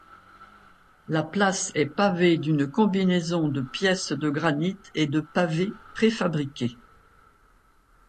La place est pavée d'une combinaison de pièce de granit et de pavés préfabriqués.